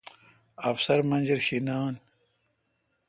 افسر منجر شی نان۔